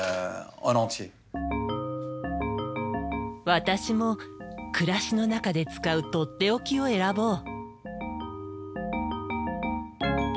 私も暮らしの中で使うとっておきを選ぼう。